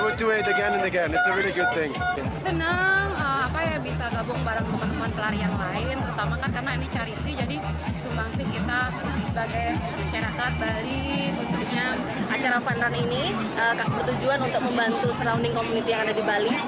acara fun run ini bertujuan untuk membantu surrounding community yang ada di bali